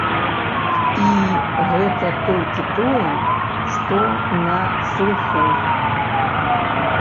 І гэта толькі тое, што на слыху.